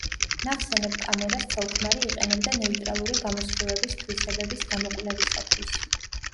ნახსენებ კამერას ცოლ-ქმარი იყენებდა ნეიტრალური გამოსხივების თვისებების გამოკვლევისათვის.